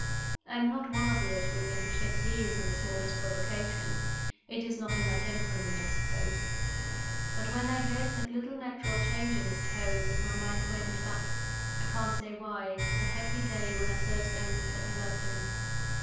I am not one of those women who shed tears on the smallest provocation: it is not in my temperament, I suppose. But when I heard that little natural change in his tone my mind went back (I can't say why) to the happy day when I first owned that I loved him.